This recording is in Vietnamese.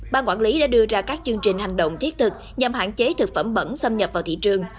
ban quản lý đã đưa ra các chương trình hành động thiết thực nhằm hạn chế thực phẩm bẩn xâm nhập vào thị trường